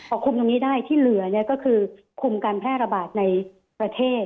คุมตรงนี้ได้ที่เหลือก็คือคุมการแพร่ระบาดในประเทศ